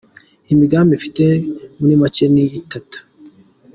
Imigambi mfite muri make ni itatu :.